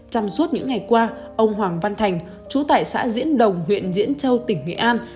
trong suốt những ngày qua ông hoàng văn thành chú tại xã diễn đồng huyện diễn châu tỉnh nghệ an